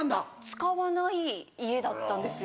使わない家だったんですよ。